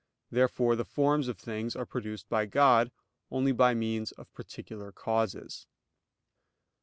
Therefore the forms of things are produced by God, only by means of particular causes.